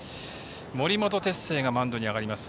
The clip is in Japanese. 森本哲星がマウンドに上がります。